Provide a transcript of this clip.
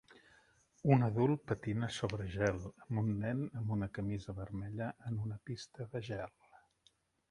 Un adult patina sobre gel amb un nen amb una camisa vermella en una pista de gel.